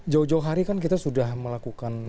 jauh jauh hari kan kita sudah melakukan